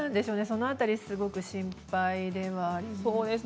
その辺りすごく心配ではあります。